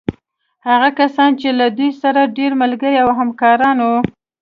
هغه کسان چې له دوی سره ډېر ملګري او همکاران وو.